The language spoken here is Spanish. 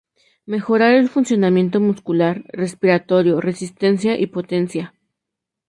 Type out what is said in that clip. Mejorar el funcionamiento muscular, respiratorio, resistencia y potencia.